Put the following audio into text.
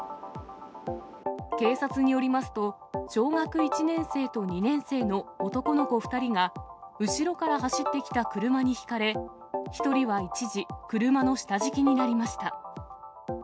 警察によりますと、小学１年生と２年生の男の子２人が、後ろから走ってきた車にひかれ、１人は一時、車の下敷きになりました。